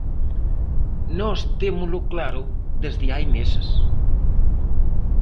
Nós témolo claro desde hai meses.